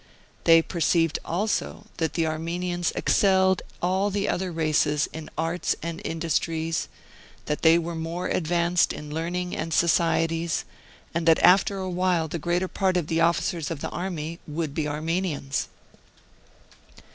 They per ceived also that the Armenians excelled all the other races in arts and industries, that they were more ad vanced in learning and societies, and that after a while the greater part of the officers of the army would be Armenians.